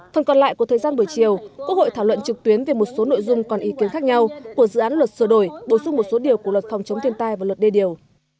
phần còn lại của thời gian buổi chiều quốc hội thảo luận trực tuyến về một số nội dung còn ý kiến khác nhau của dự án luật sửa đổi bổ sung một số điều của luật phòng chống thiên tai và luật đê điều